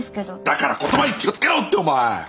だから言葉に気を付けろってお前！